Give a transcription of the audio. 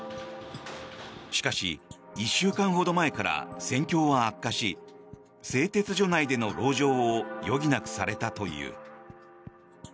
しかし１週間ほど前から戦況は悪化し製鉄所内でのろう城を余儀なくされたという。